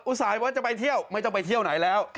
สัยว่าจะไปเที่ยวไม่ต้องไปเที่ยวไหนแล้ว